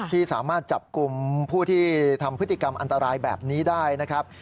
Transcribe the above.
ที่สามารถจับกลุ่มผู้ที่ทำพฤติกรรมอันตรายแบบนี้ได้นะครับ